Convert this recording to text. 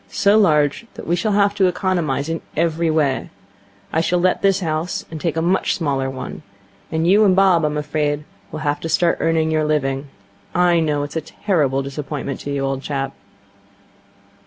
So large that we shall have to economize in every way. I shall let this house and take a much smaller one. And you and Bob, I'm afraid, will have to start earning your living. I know it's a terrible disappointment to you, old chap.'